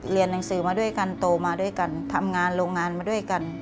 เรียนหนังสือมาด้วยกันโตมาด้วยกันทำงานโรงงานมาด้วยกัน